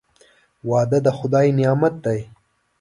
• واده د خدای نعمت دی.